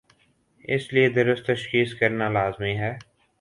اس لئے درست تشخیص کرنالازمی ہے۔